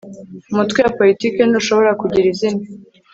umutwe wa politiki ntushobora kugira izina